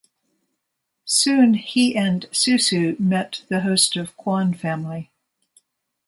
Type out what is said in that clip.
Soon he and Susu met the host of Quan Family.